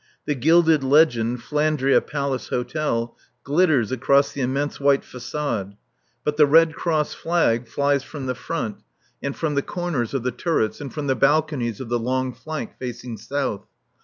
The gilded legend, "Flandria Palace Hotel," glitters across the immense white façade. But the Red Cross flag flies from the front and from the corners of the turrets and from the balconies of the long flank facing south.